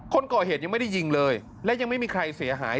คนก่อเหตุยังไม่ได้ยิงเลยและยังไม่มีใครเสียหาย